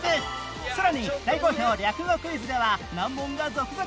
さらに大好評略語クイズでは難問が続々！